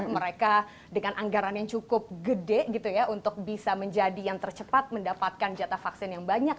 mereka dengan anggaran yang cukup besar untuk bisa menjadi yang tercepat mendapatkan jata vaksin yang banyak